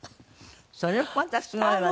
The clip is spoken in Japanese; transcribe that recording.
それもまたすごいわね。